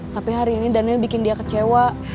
tapi hari ini daniel bikin dia kecewa